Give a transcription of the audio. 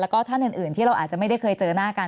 แล้วก็ท่านอื่นที่เราอาจจะไม่ได้เคยเจอหน้ากัน